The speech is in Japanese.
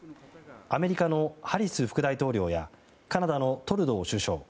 アメリカのハリス副大統領やカナダのトルドー首相